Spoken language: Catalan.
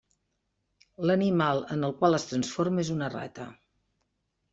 L'animal en el qual es transforma és una rata.